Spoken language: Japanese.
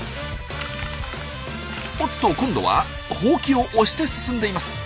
おっと！今度はホウキを押して進んでいます。